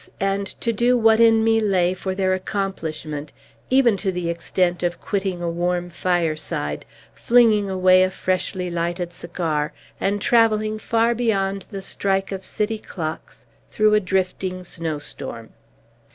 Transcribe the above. and to do what in me lay for their accomplishment; even to the extent of quitting a warm fireside, flinging away a freshly lighted cigar, and travelling far beyond the strike of city clocks, through a drifting snowstorm.